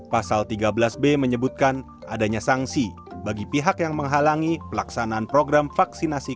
pasal tiga belas b menyebutkan adanya sanksi bagi pihak yang menghalangi pelaksanaan program vaksinasi